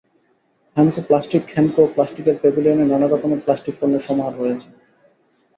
Hamko plastic Hamko প্লাস্টিকের প্যাভিলিয়নে নানা ধরনের প্লাস্টিক পণ্যের সমাহার রয়েছে।